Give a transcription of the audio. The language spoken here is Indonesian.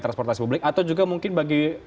transportasi publik atau juga mungkin bagi